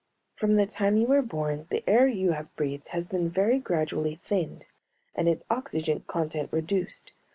"From the time you were born the air you have breathed has been very gradually thinned and its oxygen content reduced.